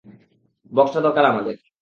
বক্সটা দরকার আমাদের!